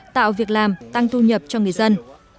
tạo việc làm tăng thu nhập cho người dân